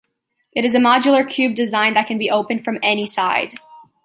It is a modular cube design that can be opened from any side.